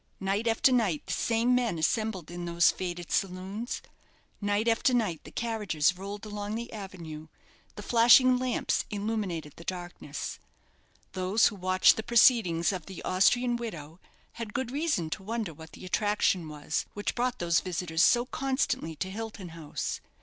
Night after night the same men assembled in those faded saloons; night after night the carriages rolled along the avenue the flashing lamps illuminated the darkness. Those who watched the proceedings of the Austrian widow had good reason to wonder what the attraction was which brought those visitors so constantly to Hilton House.